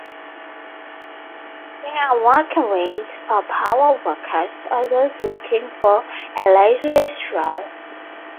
There are walkways for power walkers or those looking for a leisurely stroll.